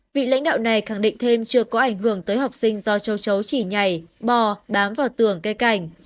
vị lãnh đạo này khẳng định thêm chưa có ảnh hưởng tới học sinh do châu chấu chỉ nhảy bò bám vào tường cây cảnh